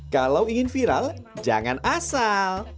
kalau ingin viral jangan asal